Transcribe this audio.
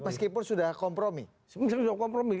meskipun sudah kompromi